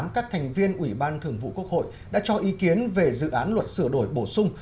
các thành viên ủy ban thường vụ quốc hội đã cho ý kiến về dự án luật sửa đổi bổ sung